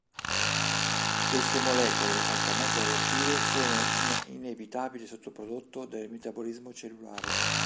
Queste molecole altamente reattive sono un inevitabile sottoprodotto del metabolismo cellulare.